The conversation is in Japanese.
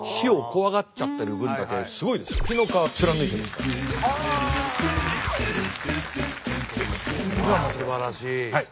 すばらしい。